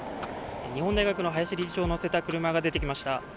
日本大学の林理事長を乗せた車が出てきました。